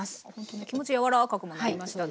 気持ち柔らかくもなりましたね。